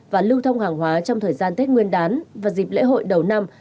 và lưu thông hàng hóa trong thời gian tết nguyên đán và dịp lễ hội đầu năm